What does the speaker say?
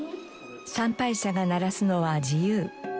参拝者が鳴らすのは自由。